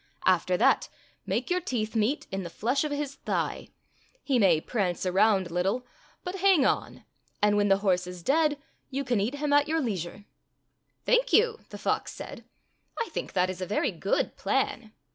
After that make your teeth meet in the fiesh of his thigh. He may prance around a little, but hang on, and when the horse is dead you can eat him at your lei sure." "Thank you," the fox said. "I think that is a very good plan."